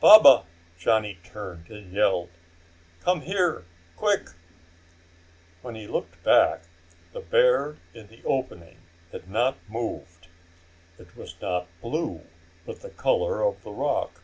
"Baba!" Johnny turned and yelled, "Come here, quick!" When he looked back, the bear in the opening had not moved. It was not blue, but the color of the rock.